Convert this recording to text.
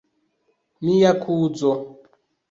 Mia kuzo.